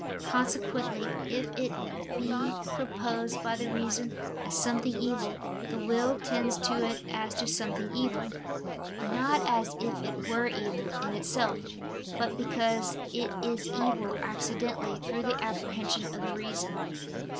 Consequently if it be proposed by the reason as something evil, the will tends to it as to something evil: not as if it were evil in itself, but because it is evil accidentally, through the apprehension of the reason.